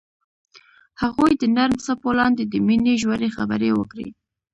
هغوی د نرم څپو لاندې د مینې ژورې خبرې وکړې.